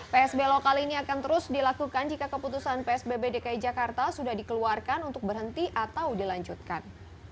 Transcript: psbb lokal ini akan terus dilakukan jika keputusan psbb dki jakarta sudah dikeluarkan untuk berhenti atau dilanjutkan